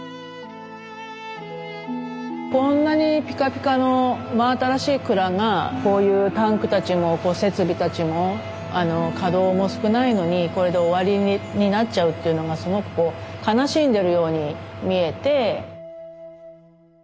こんなにピカピカの真新しい蔵がこういうタンクたちも設備たちも稼働も少ないのにこれで終わりになっちゃうっていうのがすごく悲しんでるように見えて。